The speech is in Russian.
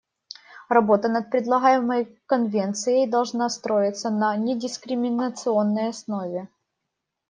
Работа над предлагаемой конвенцией должна строиться на недискриминационной основе.